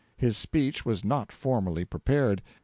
His speech was not formally prepared.